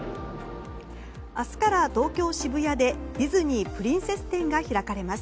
明日から東京・渋谷でディズニープリンセス展が開かれます。